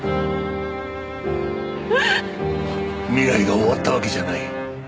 未来が終わったわけじゃない。